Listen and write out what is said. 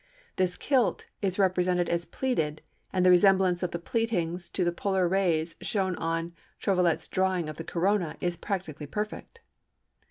This "kilt" is represented as pleated, and the resemblance of the pleatings to the polar rays shown in Trouvelot's drawing of the Corona, is "practically perfect."